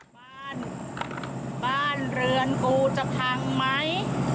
บ้านบ้านเรือนกูจะพังไหม